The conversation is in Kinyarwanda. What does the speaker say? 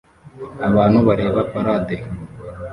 Abantu bareba parade